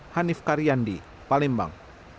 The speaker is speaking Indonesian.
hanif karyandi palembang